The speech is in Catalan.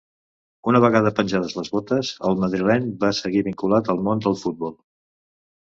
Una vegada penjades les botes, el madrileny va seguir vinculat al món del futbol.